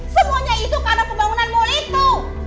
semuanya itu karena pembangunan mal itu